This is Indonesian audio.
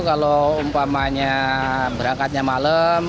kalau umpamanya berangkatnya malam